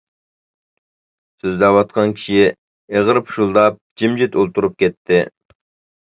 سۆزلەۋاتقان كىشى ئېغىر پۇشۇلداپ، جىمجىت ئولتۇرۇپ كەتتى.